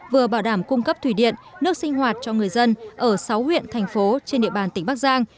vừa bảo đảm cung cấp thủy điện nước sinh hoạt cho người dân ở sáu huyện thành phố trên địa bàn tỉnh bắc giang